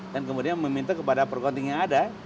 dan kemudian meminta kepada perkonting yang ada